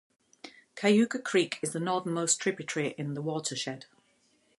Cayuga Creek is the northernmost tributary in the watershed.